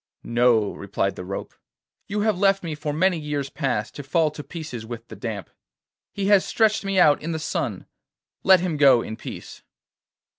'No,' replied the rope; 'you have left me for many years past to fall to pieces with the damp. He has stretched me out in the sun. Let him go in peace.